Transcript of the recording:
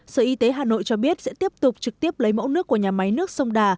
sở y tế hà nội cho biết sẽ tiếp tục trực tiếp lấy mẫu nước của nhà máy nước sông đà